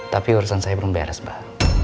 tapi urusan saya belum beres mbak